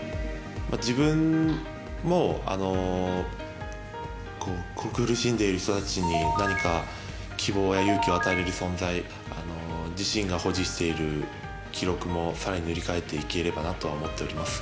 自分も苦しんでいる人たちに何か、希望や勇気を与えられる存在自身が保持している記録もさらに塗り替えていければなと思っております。